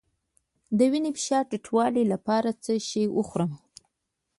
د وینې فشار ټیټولو لپاره څه شی وخورم؟